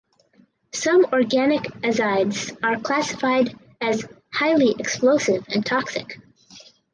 Some organic azides are classified as highly explosive and toxic.